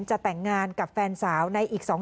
จะแต่งงานกับแฟนสาวในอีก๒คน